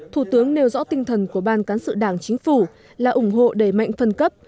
thủ tướng nêu rõ tinh thần của ban cán sự đảng chính phủ là ủng hộ đẩy mạnh phân cấp